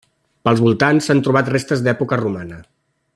Pels voltants, s'han trobat restes d'època romana.